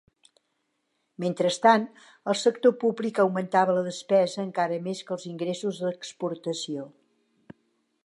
Mentrestant, el sector públic augmentava la despesa encara més que els ingressos d'exportació.